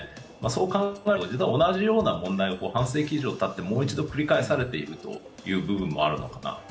そう考えると、実は同じような問題を半世紀以上たってもう一度繰り返されているという部分もあるのかなと。